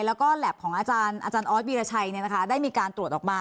แล้วก็แหลปของอาจารย์ออสวีรชัยได้มีการตรวจออกมา